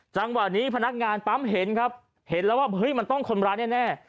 จังหวะนี้พนักงานปั๊มเห็นครับเห็นแล้วว่าเฮ้ยมันต้องคนร้ายแน่